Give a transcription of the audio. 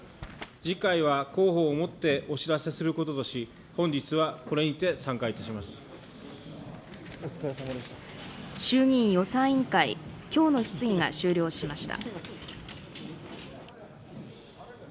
次回は公報をもってお知らせすることとし、本日はこれにて散会い衆議院予算委員会、きょうの質疑が終了しました。